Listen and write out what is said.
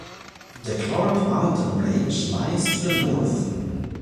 The Clark Mountain Range lies to the north.